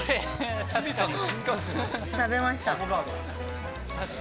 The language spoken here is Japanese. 食べました。